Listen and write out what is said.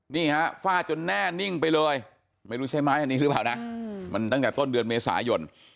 นี่ฮะฟาดจนแน่นิ่งไปเลยไม่รู้ใช้ไม้อันนี้หรือเปล่านะมันตั้งแต่ต้นเดือนเมษายน